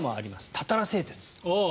たたら製鉄。